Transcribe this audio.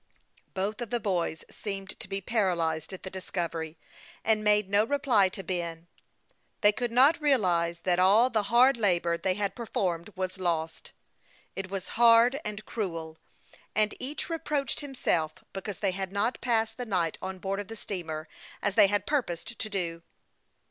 Both of the boys seemed to be paralyzed at the discovery, and made no reply to Ben. They could not realize that all the hard labor they had performed was lost. It was hard and cruel, and each reproached himself because they had not passed the night on board of the steamer, as they had purposed to do.